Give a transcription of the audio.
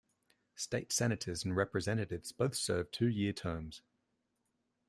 State Senators and Representatives both serve two-year terms.